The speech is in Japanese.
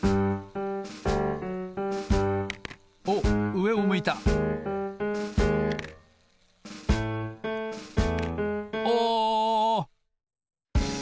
おっうえを向いたお！